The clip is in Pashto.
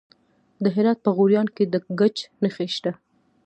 د هرات په غوریان کې د ګچ نښې شته.